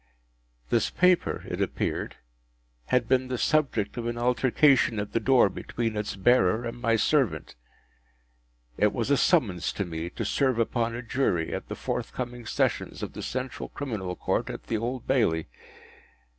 This paper, it appeared, had been the subject of an altercation at the door between its bearer and my servant. It was a summons to me to serve upon a Jury at the forthcoming Sessions of the Central Criminal Court at the Old Bailey.